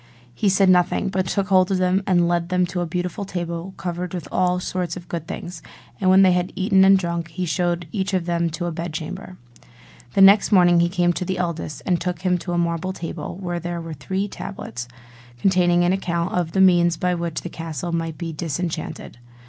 He said nothing, but took hold of them and led them to a beautiful table covered with all sorts of good things: and when they had eaten and drunk, he showed each of them to a bed chamber. The next morning he came to the eldest and took him to a marble table, where there were three tablets, containing an account of the means by which the castle might be disenchanted.